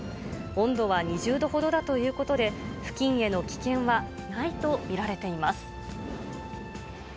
温度は２０度ほどだということで、付近への危険はないと見られています。